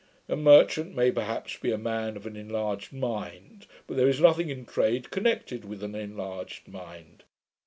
A merchant may, perhaps, be a man of an enlarged mind; but there is nothing in trade connected with an enlarged mind.'